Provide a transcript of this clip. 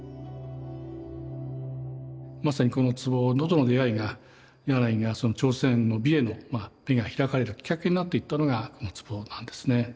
まさにこの壺との出会いが柳がその朝鮮の美への目が開かれたきっかけになっていったのがこの壺なんですね。